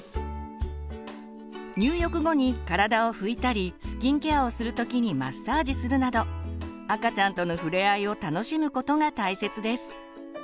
入浴後に体を拭いたりスキンケアをする時にマッサージするなど赤ちゃんとの触れ合いを楽しむことが大切です。